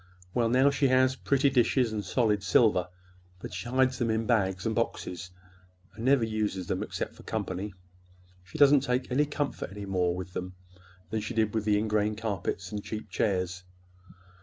Well, now she has pretty dishes and solid silver—but she hides them in bags and boxes, and never uses them except for company. She doesn't take any more comfort with them than she did with the ingrain carpets and cheap chairs.